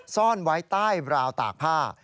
ซ่อนไว้ใต้ราวตากผ้า